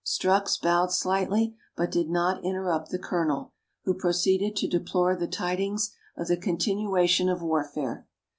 Strux bowed slightly, but did not interrupt the Colonel, who proceeded to deplore the tidings of the continuation of warfare.